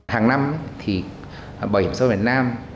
hàng năm thì bảo hiểm sông việt nam